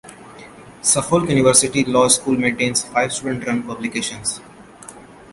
Suffolk University Law School maintains five student-run publications.